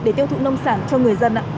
để tiêu thụ nông sản cho người dân